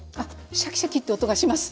シャキシャキッて音がします！